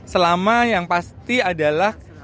selama yang pasti adalah